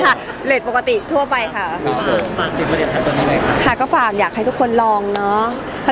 ทุกคนใช้ชีวิตชอบไม่แน่นะคะ